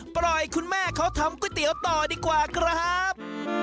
คุณแม่เขาทำก๋วยเตี๋ยวต่อดีกว่าครับ